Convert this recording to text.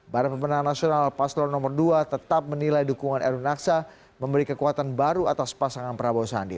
badan pemenang nasional paslon nomor dua tetap menilai dukungan erwin aksa memberi kekuatan baru atas pasangan prabowo sandi